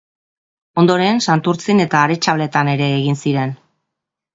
Ondoren, Santurtzin eta Aretxabaletan ere egin ziren.